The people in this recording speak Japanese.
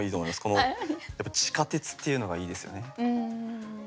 この「地下鉄」っていうのがいいですよね。